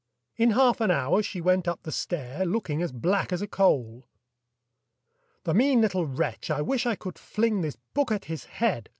In half an hour she went up the stair, Looking as black as a coal! "The mean little wretch, I wish I could fling This book at his head!"